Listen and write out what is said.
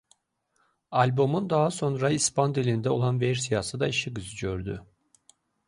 Albomun daha sonra ispan dilində olan versiyası da işıq üzü gördü.